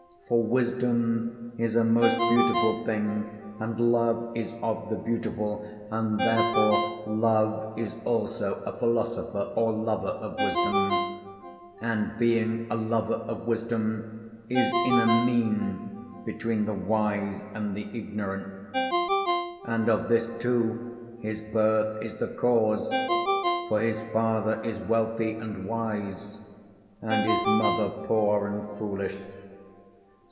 For wisdom is a most beautiful thing, and Love is of the beautiful; and therefore Love is also a philosopher or lover of wisdom, and being a lover of wisdom is in a mean between the wise and the ignorant. And of this too his birth is the cause; for his father is wealthy and wise, and his mother poor and foolish.